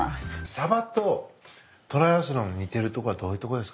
サバとトライアスロン似てるとこはどういうところですかね？